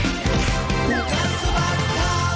ปุ๊บอันดับสวัสดีครับ